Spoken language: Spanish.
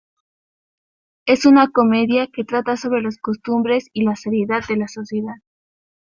Es una comedia que trata sobre las costumbres y la seriedad de la sociedad.